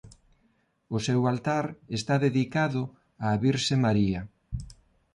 O seu altar está dedicado á Virxe María.